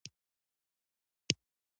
خټکی له ملګرو سره خوړل خوږ یاد جوړوي.